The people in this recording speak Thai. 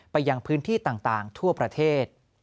ยังพื้นที่ต่างทั่วประเทศ